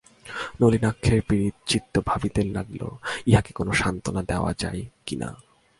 নলিনাক্ষের পীড়িত চিত্ত ভাবিতে লাগিল, ইহাকে কোনো সান্ত্বনা দেওয়া যায় কি না।